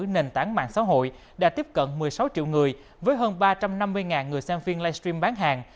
nền tảng mạng xã hội đã tiếp cận một mươi sáu triệu người với hơn ba trăm năm mươi người xem phiên livestream bán hàng